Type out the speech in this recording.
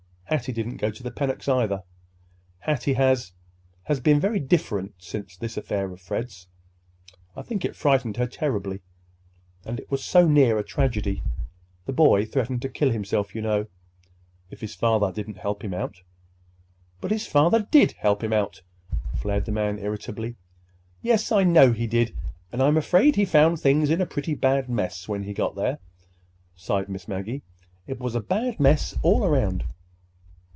Hattie didn't go to the Pennocks' either. Hattie has—has been very different since this affair of Fred's. I think it frightened her terribly—it was so near a tragedy; the boy threatened to kill himself, you know, if his father didn't help him out." "But his father did help him out!" flared the man irritably. "Yes, I know he did; and I'm afraid he found things in a pretty bad mess—when he got there," sighed Miss Maggie. "It was a bad mess all around."